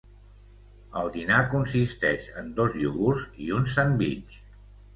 El dinar consisteix en dos iogurts i un sandvitx.